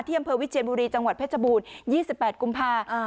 เที่ยมเภอวิเชียบุรีจังหวัดเพชรบูรยี่สิบแปดกุมภาคมอ่า